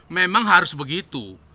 memang harus begitu